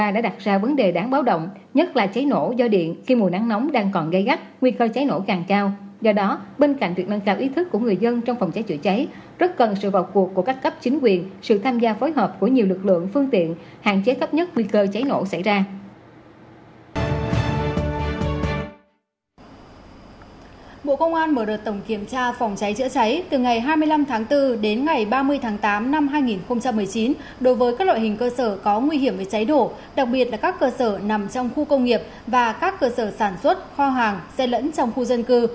bộ công an mở đợt tổng kiểm tra phòng cháy chữa cháy từ ngày hai mươi năm tháng bốn đến ngày ba mươi tháng tám năm hai nghìn một mươi chín đối với các loại hình cơ sở có nguy hiểm về cháy đổ đặc biệt là các cơ sở nằm trong khu công nghiệp và các cơ sở sản xuất kho hàng xe lẫn trong khu dân cư